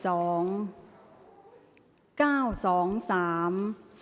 ออกรางวัลที่๖